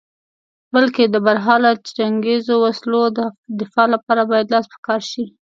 بلکې د برحاله جنګیزو وسلو د دفاع لپاره باید لاس په کار شې.